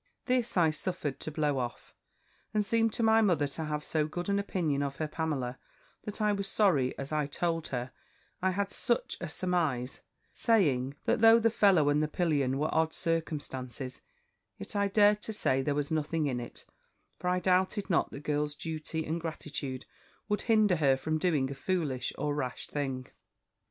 "This I suffered to blow off, and seemed to my mother to have so good an opinion of her Pamela, that I was sorry, as I told her, I had such a surmise: saying, that though the fellow and the pillion were odd circumstances, yet I dared to say, there was nothing in it: for I doubted not, the girl's duty and gratitude would hinder her from doing a foolish or rash thing.